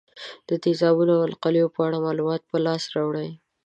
د تیزابونو او القلیو په اړه معلومات په لاس راوړئ.